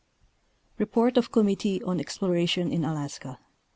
REPORT OF COMMITTEE ON EXPLORATION IN ALASKA.